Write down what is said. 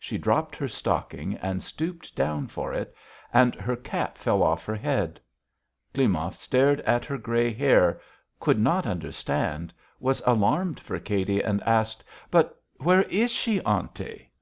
She dropped her stocking and stooped down for it, and her cap fell off her head. Klimov stared at her grey hair, could not understand, was alarmed for Katy, and asked: "But where is she, aunty?"